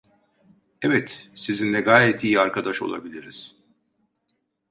Evet, sizinle gayet iyi arkadaş olabiliriz…